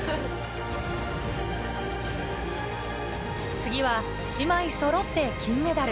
次は姉妹そろって金メダル。